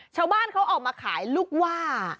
ชาวบ้านเขาออกมาขายลูกว่า